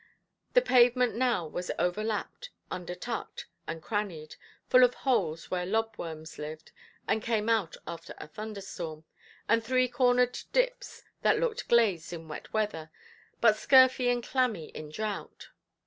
The pavement now was overlapped, undertucked, and crannied, full of holes where lobworms lived and came out after a thunderstorm, and three–cornered dips that looked glazed in wet weather, but scurfy and clammy in drought.